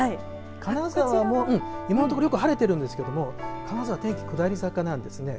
金沢も今のところよく晴れているんですけども金沢天気下り坂なんです。